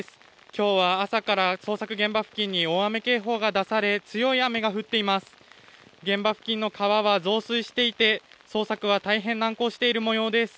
今日は朝から捜索現場付近に大雨警報が出され強い雨が降っています。